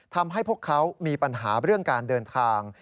ทำให้พวกเขามีปัญหาเรื่องการเดินทาง